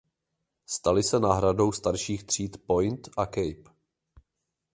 Staly se náhradou starších tříd "Point" a "Cape".